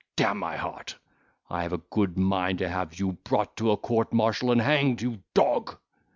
D—n my heart! I have a good mind to have you brought to a court martial and hang'd, you dog."